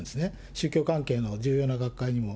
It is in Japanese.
宗教関係の重要な学会にも。